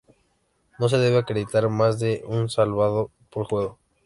No se debe acreditar más de un Salvado por juego.